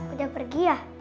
udah pergi ya